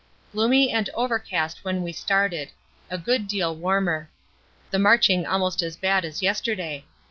Gloomy and overcast when we started; a good deal warmer. The marching almost as bad as yesterday.